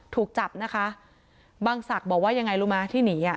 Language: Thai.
ถูกจับนะคะบังศักดิ์บอกว่ายังไงรู้มั้ยที่หนีอ่ะ